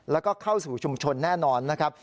แล้วก็เข้าสู่ชุมชนแน่นอนนะครับ